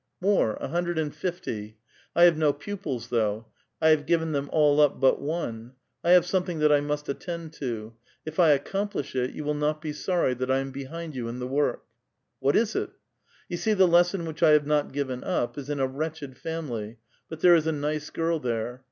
" More ; a hundred and fifty. I have no pupils, though ; I have given them all up but one ; 1 have something that I must attend to. If I accomplish it, you will not be sorry that I am behind vou in the work." '* What is It?" " You see the lesson which I have not given up is in a wretched family, but there is a nice girl there.